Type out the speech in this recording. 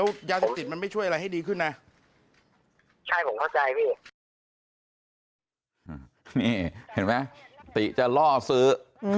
นี่เห็นไหมติจะล่อซื้อ